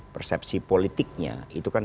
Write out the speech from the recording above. persepsi politiknya itu kan